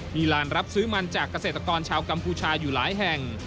มีลานรับซื้อมันจากเกษตรกรชาวกัมพูชาอยู่หลายแห่ง